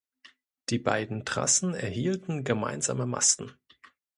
Die beiden Trassen erhielten gemeinsame Masten.